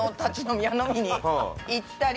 行ったり。